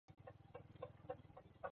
ambayo itakuwa ikigusia msimamo wake